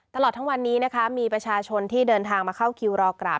ตลอดทั้งวันนี้นะคะมีประชาชนที่เดินทางมาเข้าคิวรอกราบ